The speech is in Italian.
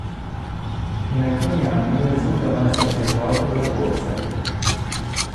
In alcuni anni risultano essersi svolte due corse.